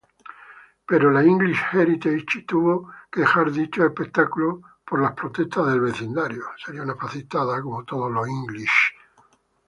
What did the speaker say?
Pero la "English Heritage" tuvo que dejar dichos espectáculos por las protestas del vecindario.